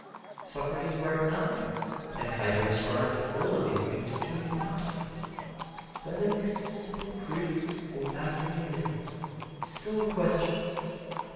Socrates wrote nothing, and Plato ascribes all of his wisdom to his master. Whether this was simple prudence or magnanimity is still a question.